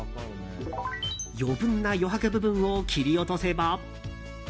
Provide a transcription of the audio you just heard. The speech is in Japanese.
余分な余白部分を切り落とせば。